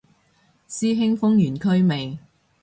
師兄封完區未